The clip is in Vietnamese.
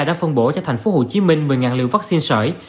đã phân bổ cho tp hcm một mươi liều vaccine sở ý